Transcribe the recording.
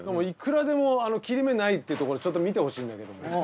いくらでも切れ目ないってところちょっと見てほしいんだけども。